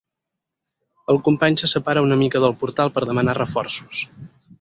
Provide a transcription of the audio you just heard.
El company se separa una mica del portal per demanar reforços.